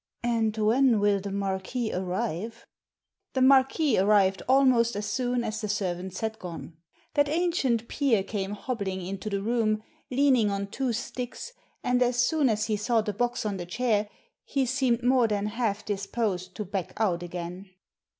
"And when will the Marquis arrive ?" The Marquis arrived almost as soon as the servants had gone. That ancient peer came hobbling into 247 Digitized by VjOOQIC 248 THE SEEN AND THE UNSEEN the room, leaning on two sticks, and as soon as he saw the box on the chair he seemed more than half disposed to back out again.